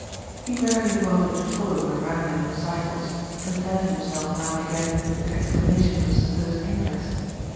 He rarely bothered to follow her rambling recitals, contenting himself now and again with exclamations of supposed interest.